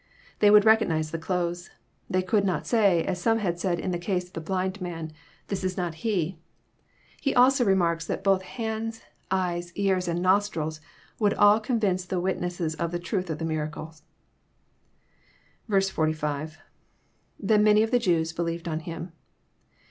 They would recognize the clothes ; they could not say, as some had said in the case of the blind man, '* This is not he." He also remarks that both hands, eyes, ears, and nostrils would all con Tince the witnesses of the truth of the miracle. 45. — [^Then many of the Jews... believed on him.'